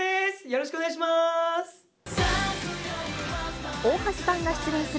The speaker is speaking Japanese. よろしくお願いします。